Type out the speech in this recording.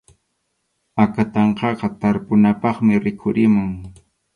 Akatanqaqa tarpunapaqmi rikhurimun.